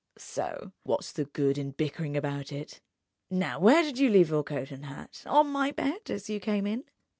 So what's the good of bickering about it?... Now where did you leave your coat and hat? On my bed, as you came in?"